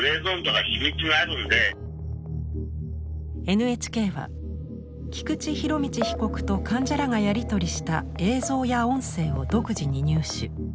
ＮＨＫは菊池仁達被告と患者らがやり取りした映像や音声を独自に入手。